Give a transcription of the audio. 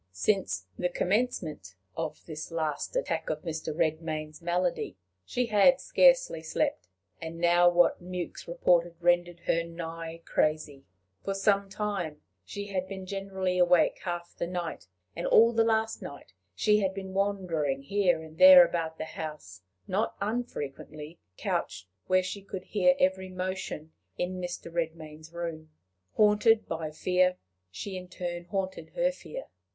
Since the commencement of this last attack of Mr. Redmain's malady, she had scarcely slept; and now what Mewks reported rendered her nigh crazy. For some time she had been generally awake half the night, and all the last night she had been wandering here and there about the house, not unfrequently couched where she could hear every motion in Mr. Redmain's room. Haunted by fear, she in turn haunted her fear.